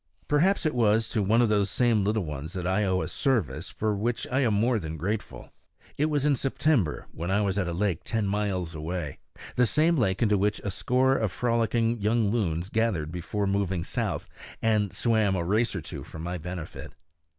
Perhaps it was to one of those same little ones that I owe a service for which I am more than grateful. It was in September, when I was at a lake ten miles away the same lake into which a score of frolicking young loons gathered before moving south, and swam a race or two for my benefit.